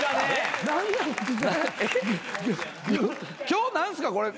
今日何すか？